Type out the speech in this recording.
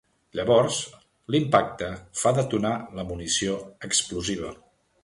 Llavors, l'impacte fa detonar la munició explosiva.